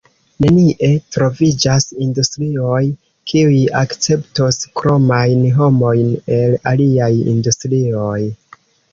Nenie troviĝas industrioj, kiuj akceptos kromajn homojn el aliaj industrioj.